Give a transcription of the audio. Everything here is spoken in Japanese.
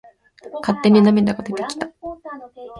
勝手に涙が出てきた。